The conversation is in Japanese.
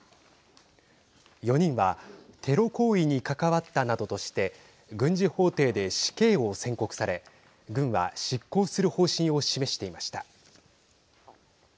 ４人はテロ行為に関わったなどとして軍事法廷で死刑を宣告され軍は執行する方針を示していました。